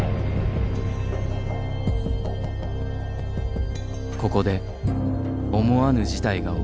ここで思わぬ事態が起きる。